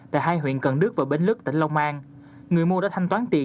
tại hai huyện cần đức và bến lức tỉnh long an người mua đã thanh toán tiền